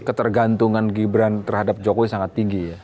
ketergantungan gibran terhadap jokowi sangat tinggi ya